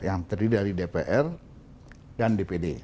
yang terdiri dari dpr dan dpd